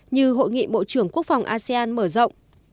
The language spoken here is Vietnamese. như hội nghị bộ trưởng quốc phòng asean mở rộng